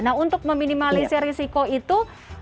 nah untuk meminimalisir risiko itu